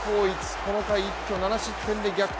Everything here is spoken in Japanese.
この回一挙７失点で逆転